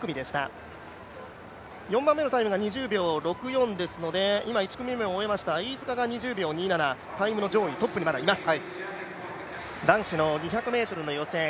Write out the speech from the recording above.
４番目のタイムが２０秒６４ですので、今、１組目を終えました、飯塚が２０秒２７、タイムの上位にいます。